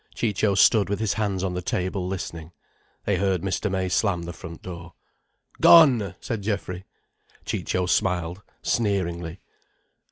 Ciccio stood with his hands on the table, listening. They heard Mr. May slam the front door. "Gone!" said Geoffrey. Ciccio smiled sneeringly.